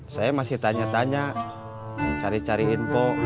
saya masih tanya tanya cari cari info